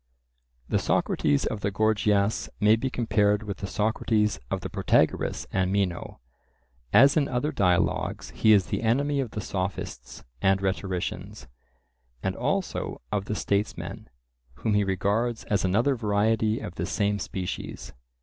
The Socrates of the Gorgias may be compared with the Socrates of the Protagoras and Meno. As in other dialogues, he is the enemy of the Sophists and rhetoricians; and also of the statesmen, whom he regards as another variety of the same species.